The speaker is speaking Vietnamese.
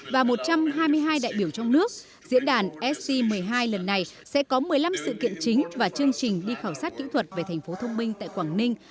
và một trăm hai mươi hai đại biểu trong nước diễn đàn sc một mươi hai lần này sẽ có một mươi năm sự kiện chính và chương trình đi khảo sát kỹ thuật về thành phố thông minh tại quảng ninh